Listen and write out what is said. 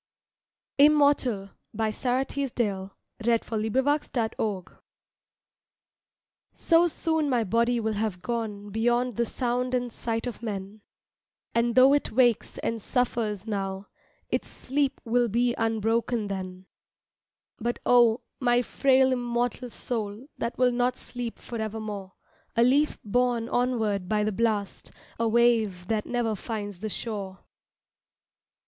passed The door of heaven and never knew. IMMORTAL So soon my body will have gone Beyond the sound and sight of men, And tho' it wakes and suffers now, Its sleep will be unbroken then; But oh, my frail immortal soul That will not sleep forevermore, A leaf borne onward by the blast, A wave that never finds the shore.